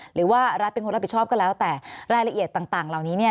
หรือว่ารัฐเป็นคนรับผิดชอบก็แล้วแต่รายละเอียดต่างเหล่านี้เนี่ย